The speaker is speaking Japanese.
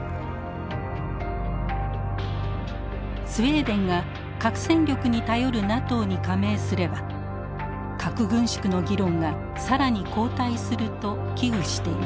スウェーデンが核戦力に頼るＮＡＴＯに加盟すれば核軍縮の議論が更に後退すると危惧しています。